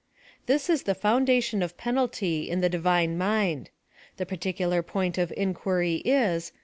This is the foundation of penalty in the Divine mind. The particular point of inquiry is.